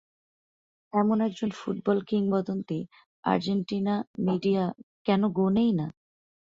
এমন একজন ফুটবল কিংবদন্তি আর্জেন্টিনা মিডিয়া কেন গোনেই না।